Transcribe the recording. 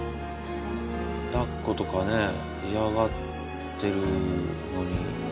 抱っことかね嫌がってるのに。